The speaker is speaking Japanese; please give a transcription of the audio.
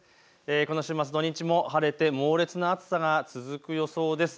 この週末、土日も晴れて猛烈な暑さが続く予想です。